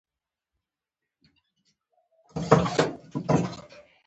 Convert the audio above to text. سوالګر ته یو ملنډه ټپي کوي